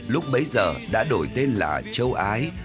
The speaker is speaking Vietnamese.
lúc bấy giờ đã đổi tên là châu ái